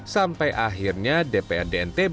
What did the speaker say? sampai akhirnya dprd ntb